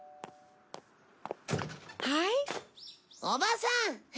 おばさん！